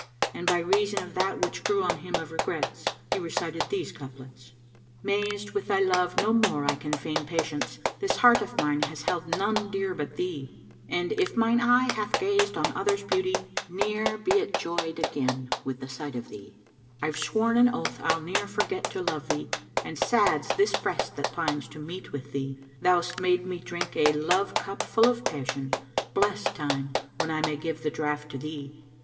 And by reason of that which grew on him of regrets, he recited these couplets,[FN#506] "Mazed with thy love no more I can feign patience, This heart of mine has held none dear but thee! And if mine eye hath gazed on other's beauty, Ne'er be it joyed again with sight of thee! I've sworn an oath I'll ne'er forget to love thee, And sad's this breast that pines to meet with thee! Thou'st made me drink a love cup full of passion, Blest time! When I may give the draught to thee!